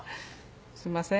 すんません。